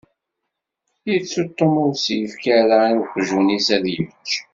Yettu Tom ur s-yefki ara i weqjun-is ad yečč.